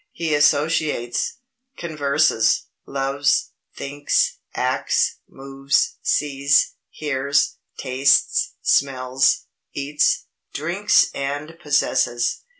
He associates, converses, loves, thinks, acts, moves, sees, hears, tastes, smells, eats, drinks and possesses.